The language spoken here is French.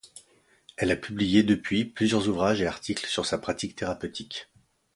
Elle a publié depuis plusieurs ouvrages et articles sur sa pratique thérapeutique.